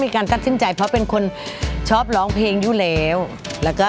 พี่ยังโดนผู้ชายเปิดกระโปรงพี่เป็นแล้วลูก